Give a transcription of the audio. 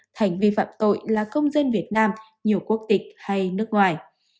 hành vi phạm tội là công dân việt nam nhiều quốc tịch hay nước ngoài